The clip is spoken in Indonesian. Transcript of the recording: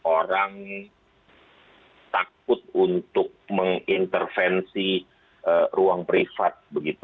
orang takut untuk mengintervensi ruang privat